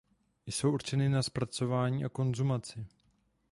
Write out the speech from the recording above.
Jsou určeny na zpracování a konzumaci.